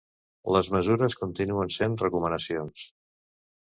Les mesures continuen sent recomanacions.